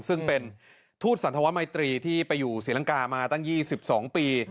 ซึ่งเป็นทูตสันธวมัยตรีที่ไปอยู่ศรีลังกามาตั้ง๒๒ปี